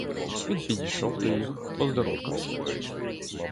Він підійшов до їх, поздоровкався.